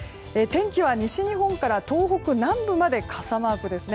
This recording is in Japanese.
天気は西日本から東北南部まで傘マークです。